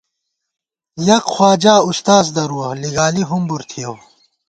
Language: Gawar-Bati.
یَک خواجہ اُستاذ دَرُوَہ ، لِگالی ہُمبُر تھِیَؤ